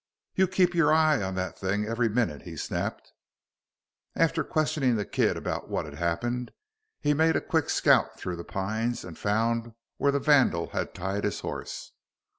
"You keep your eye on that thing every minute," he snapped. After questioning the kid about what had happened, he made a quick scout through the pines and found where the vandal had tied his horse.